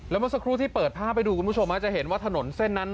เมื่อสักครู่ที่เปิดภาพให้ดูคุณผู้ชมจะเห็นว่าถนนเส้นนั้น